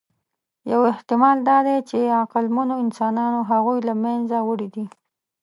یو احتمال دا دی، چې عقلمنو انسانانو هغوی له منځه وړي دي.